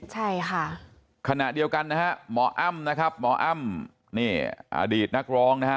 ใช่ค่ะขณะเดียวกันนะฮะหมออ้ำนะครับหมออ้ำนี่อดีตนักร้องนะฮะ